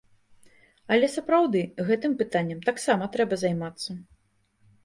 Але сапраўды, гэтым пытаннем таксама трэба займацца.